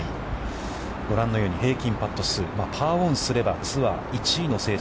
ご覧のように平均パット数パーオンすれば、ツアー１位の成績。